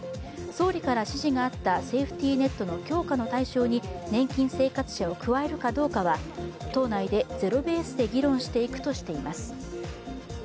総理から指示があったセーフティネットの強化の対象に年金生活者を加えるかどうかは党内でゼロベースで議論していくとしています。